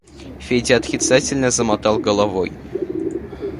Федя отрицательно замотал головой.